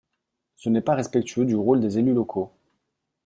Ce n’est pas respectueux du rôle des élus locaux.